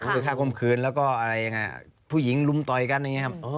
คือฆ่าก้มคืนแล้วก็อะไรยังไงผู้หญิงลุมต่อยกันอย่างนี้ครับ